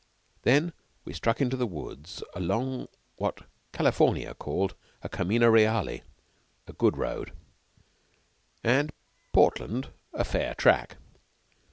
Then we struck into the woods along what California called a camina reale a good road and Portland a "fair track."